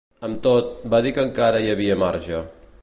Amb tot, va dir que encara hi havia marge.